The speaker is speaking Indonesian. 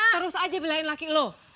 terus aja bilangin laki lo